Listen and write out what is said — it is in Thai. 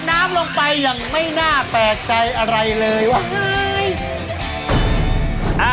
น้ำลงไปอย่างไม่น่าแปลกใจอะไรเลยว่ะ